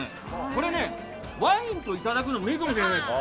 これ、ワインといただくのもいいかもしれないです。